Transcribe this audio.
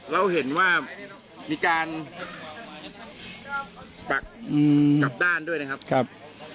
เราเห็นว่ามีการปักกลับด้านด้วยนะครับ